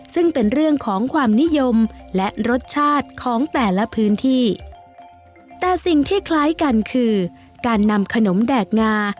ซึ่งเป็นเรื่องของความนิยมและรสชาติของแต่ละพื้นที่แต่สิ่งที่คล้ายกันคือการนำขนมแดกงา